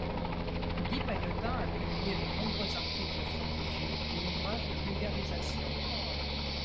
Guy Paillotin a publié de nombreux articles scientifiques et ouvrages de vulgarisation.